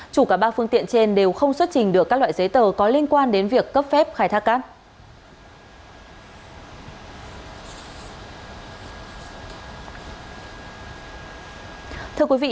chủ cả ba phương tiện trên đều không xuất trình được các loại giấy tờ có liên quan đến việc cấp phép khai thác cát